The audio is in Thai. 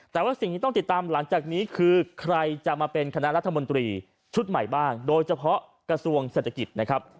แต่ว่าสิ่งที่ต้องติดตามหลังจากนี้คือใครจะมาเป็นคณะรัฐมนตรีชุดใหม่บ้างโดยเฉพาะกระทรวงเศรษฐกิจนะครับ